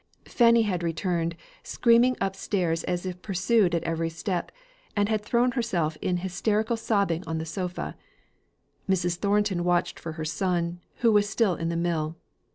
Fanny had returned, screaming upstairs as if pursued at every step, and had thrown herself in hysterical sobbing on the sofa. Mrs. Thornton watched for her son, who was still in the mill.